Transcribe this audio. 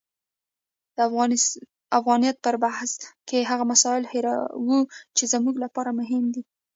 د افغانیت پر بحث کې هغه مسایل هیروو چې زموږ لپاره مهم دي.